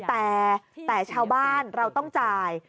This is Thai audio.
แต่ชาวบ้านเราต้องจ่าย